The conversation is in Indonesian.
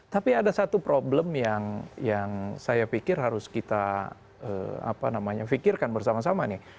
tapi ada satu problem yang saya pikir harus kita pikirkan bersama sama nih